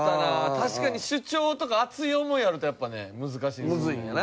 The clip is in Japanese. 確かに主張とか熱い思いあるとやっぱね難しいんですよね。